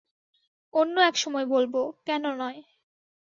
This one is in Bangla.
অন্য এক সময় বলব, কেন নয়।